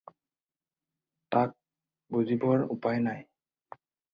তাক বুজিবৰ উপায় নাই।